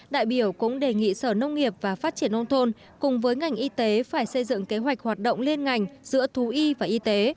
đại biểu cũng đề nghị sở nông nghiệp và phát triển nông thôn cùng với ngành y tế phải xây dựng kế hoạch hoạt động liên ngành giữa thú y và y tế